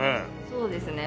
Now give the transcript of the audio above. そうですね。